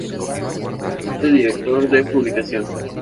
Es el director de publicación.